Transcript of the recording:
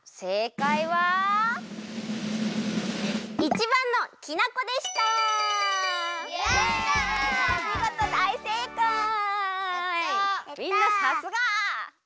みんなさすが！